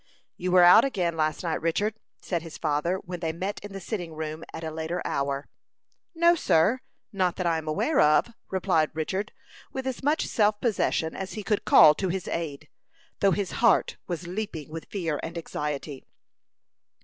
"You were out again last night, Richard," said his father, when they met in the sitting room at a later hour. "No, sir, not that I am aware of," replied Richard, with as much self possession as he could call to his aid, though his heart was leaping with fear and anxiety.